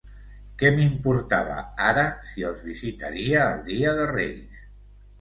Què m'importava ara si els visitaria el dia de Reis!